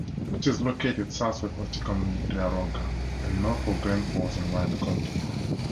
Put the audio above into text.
It is located southwest of Ticonderoga and north of Glens Falls in Warren County.